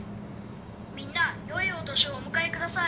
「みんなよいお年をお迎え下さい」。